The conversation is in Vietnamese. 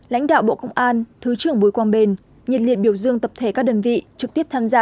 lãnh đạo bộ công an thứ trưởng bùi quang bền nhiệt liệt biểu dương tập thể các đơn vị trực tiếp tham gia